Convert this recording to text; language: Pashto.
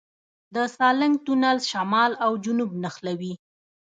د سالنګ تونل شمال او جنوب نښلوي